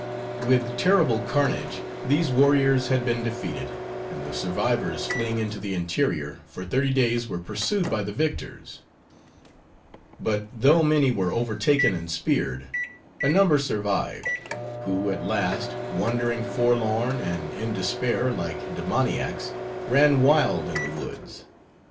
With terrible carnage, these warriors had been defeated; and the survivors, fleeing into the interior, for thirty days were pursued by the victors. But though many were overtaken and speared, a number survived; who, at last, wandering forlorn and in despair, like demoniacs, ran wild in the woods.